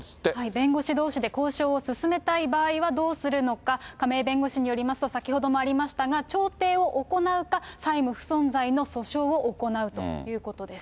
弁護士どうしで交渉を進めたい場合はどうするのか、亀井弁護士によりますと、先ほどもありましたが、調停を行うか、債務不存在の訴訟を行うということです。